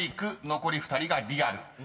残り２人がリアル］